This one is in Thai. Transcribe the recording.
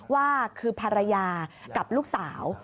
ว่าคือภรรยากับลูกสาว